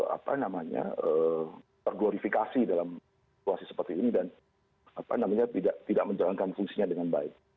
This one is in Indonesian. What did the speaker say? apa namanya terglorifikasi dalam situasi seperti ini dan tidak menjalankan fungsinya dengan baik